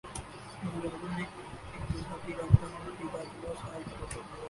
وزیراعظم نے اقتصادی رابطہ کمیٹی کا اجلاس اج طلب کرلیا